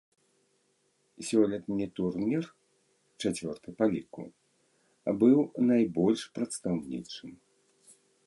Сёлетні турнір, чацвёрты па ліку, быў найбольш прадстаўнічым.